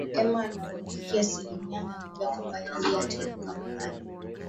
ema ana uhakika aslimia mia moja kwamba yeye ndiye ataibuka mubabe